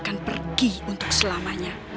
dan pergi untuk selamanya